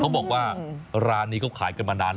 เขาบอกว่าร้านนี้เขาขายกันมานาน